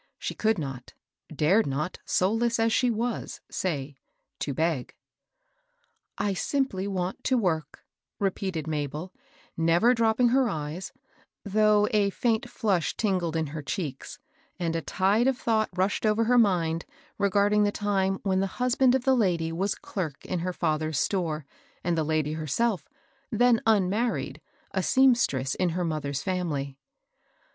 She could not — dared not, soulless as she was, say " to beg.*^ " I simply want work," repeated Mabel, never dropping her eyes, though a faint flush tingled in her cheeks, and a tide of thought rushed over her mind regarding the time when the husband of the lady was clerk in her father's store, and the lady herself, then unmarried, a seamstress in her moth er's fiimily.